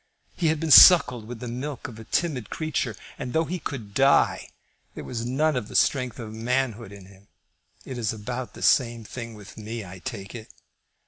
He had been suckled with the milk of a timid creature, and, though he could die, there was none of the strength of manhood in him. It is about the same thing with me, I take it."